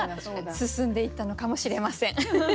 進んでいったのかもしれません。